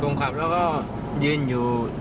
ผมขับแล้วก็ยืนอยู่